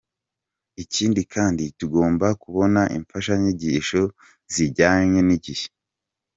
Ikindi kandi tugomba kubona imfashanyigisho zijyanye n’igihe.